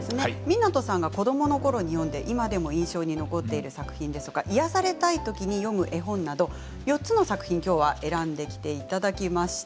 湊さんが子どものころに読んで今でも印象に残っている作品ですとか癒やされたいときに読む絵本など４つの作品を選んできていただきました。